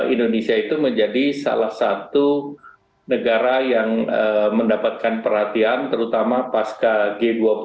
indonesia itu menjadi salah satu negara yang mendapatkan perhatian terutama pasca g dua puluh